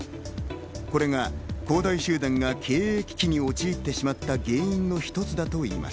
これが恒大集団が経営危機に陥ってしまった原因の一つだといいま